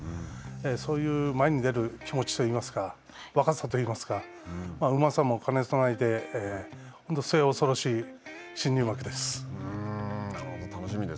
そういう前に出る気持ちといいますか、若さといいますか、うまさも兼ね備えて、末恐ろしい新入幕です。